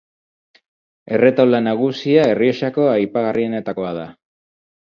Erretaula nagusia Errioxako aipagarrienetakoa da.